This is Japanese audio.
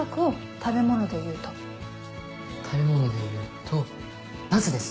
食べ物でいうとナスです。